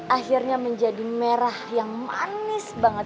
akhirnya menjadi merah yang manis banget